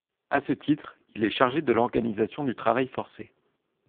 A ce titre, il est chargé de l'organisation du travail forcé.